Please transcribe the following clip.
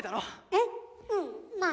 えっうんまあ